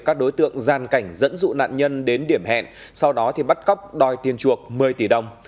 các đối tượng gian cảnh dẫn dụ nạn nhân đến điểm hẹn sau đó thì bắt cóc đòi tiền chuộc một mươi tỷ đồng